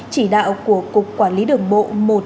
chỉ đạo của cục quản lý đường bộ một nghìn hai trăm ba mươi bốn